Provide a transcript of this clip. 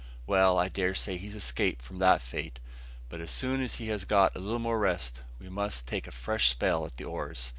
Well, I dare say he's escaped from that fate; but as soon as he has got a little more rest, we must take a fresh spell at the oars.